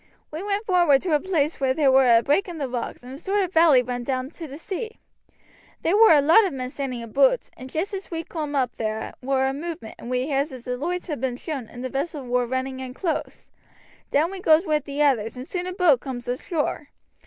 We went vorward to a place whar there war a break in the rocks, and a sort of valley ran down to the sea. There war a lot of men standing aboot, and just as we coom up thar war a movement and we hears as the loights had been shown and the vessel war running in close. Down we goes wi' the others, and soon a boat cooms ashore.